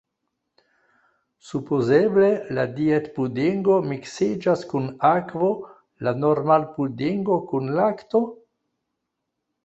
Supozeble la dietpudingo miksiĝas kun akvo, la normalpudingo kun lakto?